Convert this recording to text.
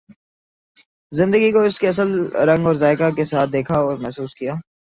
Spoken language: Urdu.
زندگی کو اس کے اصل رنگ اور ذائقہ کے ساتھ دیکھا اور محسوس کیا۔